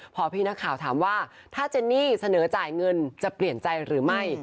พอพี่นักข่าวถามว่าถ้าเจนนี่เสนอจ่ายเงินจะเปลี่ยนใจหรือไม่